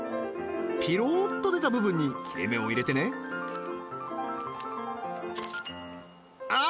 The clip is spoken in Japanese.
ピロッと出た部分に切れ目を入れてねあ